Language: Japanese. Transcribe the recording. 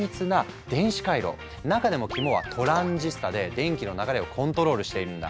中でも肝はトランジスタで電気の流れをコントロールしているんだ。